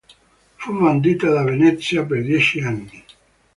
Fu bandita da Venezia per dieci anni.